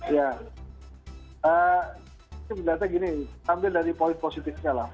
ya ini berarti gini ambil dari poin positifnya lah